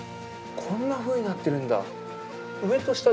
こんなふうになってるんだ。